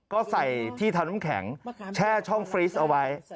ก็ใส่ที่ทำน้ำแข็งแช่ช่องฟรีสเอาไว้